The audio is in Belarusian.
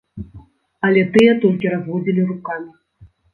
Але тыя толькі разводзілі рукамі.